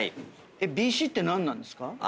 ＢＣって何なんですか？